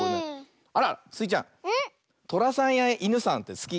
あらスイちゃんとらさんやいぬさんってすき？